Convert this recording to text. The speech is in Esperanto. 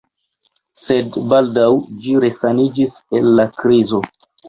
Sed baldaŭ ĝi resaniĝis el la krizo.